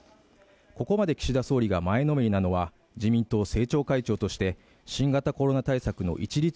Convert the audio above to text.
ここまで岸田総理が前のめりなのは自民党政調会長として新型コロナ対策の一律